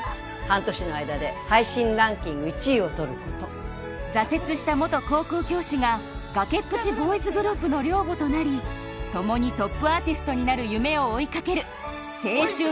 半年の間で配信ランキング１位をとること挫折した元高校教師が崖っぷちボーイズグループの寮母となり共にトップアーティストになる夢を追いかける青春